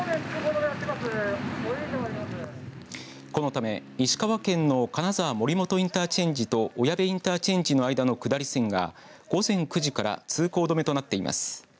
このため石川県の金沢森本インターチェンジと小矢部インターチェンジの間の下り線が午前９時から通行止めとなっています。